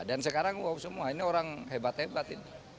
dan sekarang wow semua ini orang hebat hebat ini